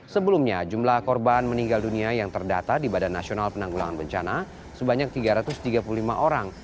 sebelumnya jumlah korban meninggal dunia yang terdata di badan nasional penanggulangan bencana sebanyak tiga ratus tiga puluh lima orang